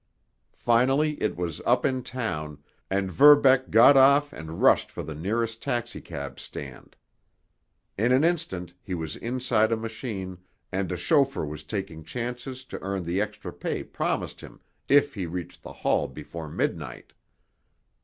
Finally it was up in town, and Verbeck got off and rushed for the nearest taxicab stand. In an instant he was inside a machine, and a chauffeur was taking chances to earn the extra pay promised him if he reached the hall before midnight.